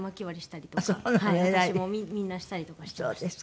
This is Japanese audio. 私もみんなしたりとかしてました。